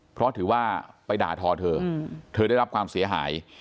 เพราะถือว่าไปด่าทอเธอเธอได้รับความเสียหาย